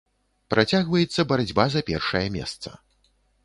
Працягваецца барацьба за першае месца.